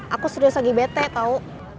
aku serius lagi bete tau